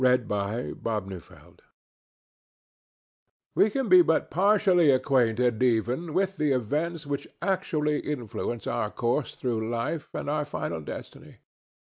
DAVID SWAN A FANTASY We can be but partially acquainted even with the events which actually influence our course through life and our final destiny.